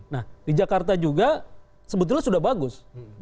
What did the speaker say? nah di jakarta juga sebetulnya sudah bagus